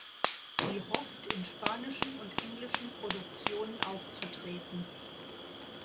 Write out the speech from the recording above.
Sie hofft in spanischen und englischen Produktionen aufzutreten.